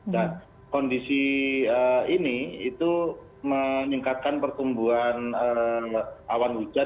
dan kondisi ini itu meningkatkan pertumbuhan awan hujan